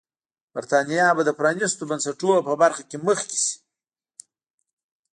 برېټانیا به د پرانیستو بنسټونو په برخه کې مخکې شي.